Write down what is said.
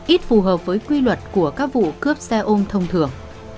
ít phù hợp với quy luật của các vụ cướp xe ôm thông thường